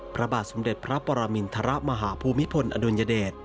พระบาทสมเด็จพระปรมินทรมาหาภูมิพลอดุลยเดช